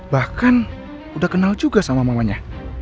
bahkan udah kenal juga sama mamanya